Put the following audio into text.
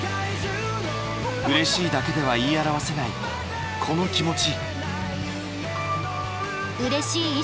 うれしいだけでは言い表せないこの気持ち。